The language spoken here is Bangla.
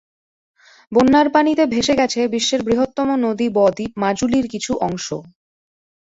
বন্যার পানিতে ভেসে গেছে বিশ্বের বৃহত্তম নদী বদ্বীপ মাজুলীর কিছু অংশ।